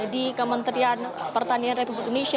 di kementerian pertanian republik indonesia